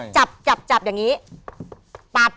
จับจับอย่างนี้